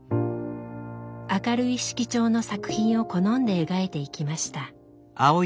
明るい色調の作品を好んで描いていきました。